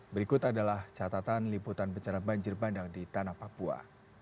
berikut adalah catatan liputan bencana banjir bandang di tanah papua